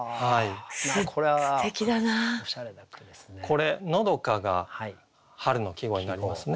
これ「のどか」が春の季語になりますね。